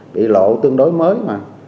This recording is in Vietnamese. bị lộ tương đối mới mà